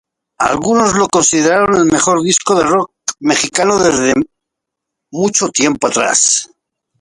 Algunos lo consideraron el mejor disco de Rock mexicano desde mucho tiempo.